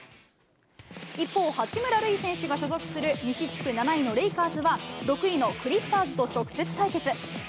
一方、八村塁選手が所属する西地区７位のレイカーズは、６位のクリッパーズと直接対決。